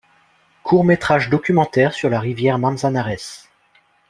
Court-métrage documentaire sur la rivière Manzanares.